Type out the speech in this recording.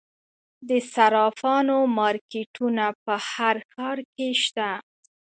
د صرافانو مارکیټونه په هر ښار کې شته